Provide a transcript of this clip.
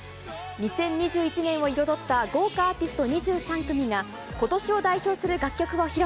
２０２１年を彩った豪華アーティスト２３組が、ことしを代表する楽曲を披露。